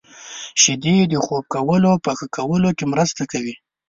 • شیدې د خوب کولو په ښه کولو کې مرسته کوي.